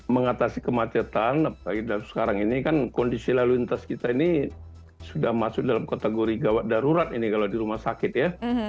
mengatasi kemacetan apalagi sekarang ini kan kondisi lalu lintas kita ini sudah masuk dalam kategori gawat darurat ini kalau di rumah sakit ya